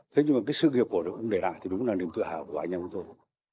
thế nhưng mà cái sự nghiệp của ông để lại thì đúng là niềm tự hào của anh em tôi